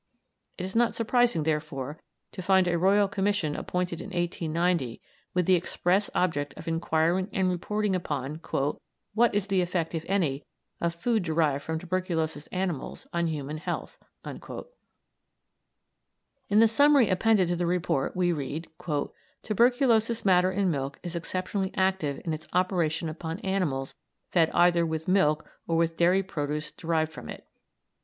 It is not surprising, therefore, to find a Royal Commission appointed in 1890 with the express object of inquiring and reporting upon "What is the effect, if any, of food derived from tuberculous animals on human health?" In the summary appended to the report we read: "Tuberculous matter in milk is exceptionally active in its operation upon animals fed either with milk or with dairy produce derived from it.